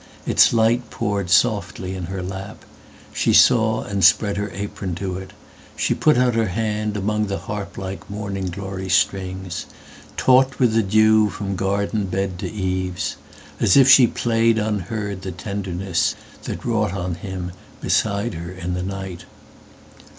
Its light poured softly in her lap. She sawAnd spread her apron to it. She put out her handAmong the harp like morning glory strings, Taut with the dew from garden bed to eaves, As if she played unheard the tendernessThat wrought on him beside her in the night.